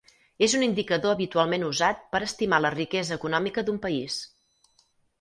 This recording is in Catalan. És un indicador habitualment usat per estimar la riquesa econòmica d'un país.